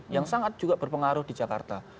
yang sangat juga berpengaruh di jakarta